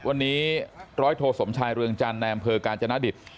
วันนี้ร้อยโทสมชายเรืองจันทร์ในอำเภอกาญจนดิต